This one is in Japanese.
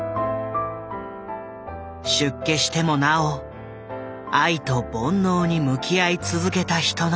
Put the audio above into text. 出家してもなお愛と煩悩に向き合い続けた人の物語。